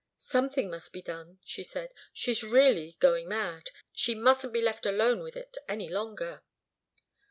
"Something must be done," she said. "She's really going mad. She mustn't be left alone with it any longer."